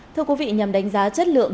thưa quý vị nhằm đánh giá chất lượng